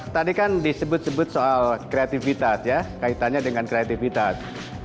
tadi kan disebut sebut soal kreativitas ya kaitannya dengan kreativitas